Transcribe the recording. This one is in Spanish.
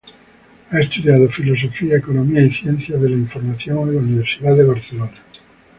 Ha estudiado Filosofía, Economía y Ciencias de la Información en la Universidad de Barcelona.